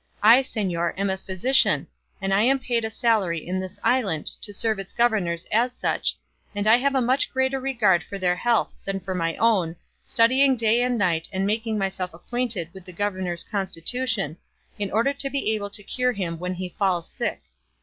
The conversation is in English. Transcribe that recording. I, señor, am a physician, and I am paid a salary in this island to serve its governors as such, and I have a much greater regard for their health than for my own, studying day and night and making myself acquainted with the governor's constitution, in order to be able to cure him when he falls sick.